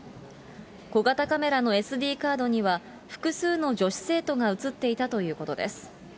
小型カメラのＳＤカードには、複数の女子生徒が写っていたということです。